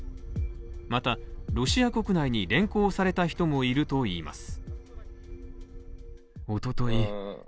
またロシア国内に連行された人もいるといいます。